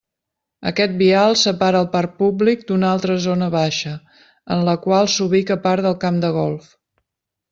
Aquest vial separa el parc públic d'una altra zona baixa, en la qual s'ubica part del camp de golf.